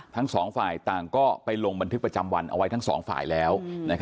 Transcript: ทั้งสองฝ่ายต่างก็ไปลงบันทึกประจำวันเอาไว้ทั้งสองฝ่ายแล้ว